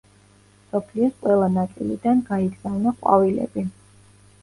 მსოფლიოს ყველა ნაწილიდან გაიგზავნა ყვავილები.